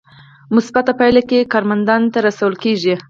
مثبته پایله یې کارمندانو ته رسول کیږي.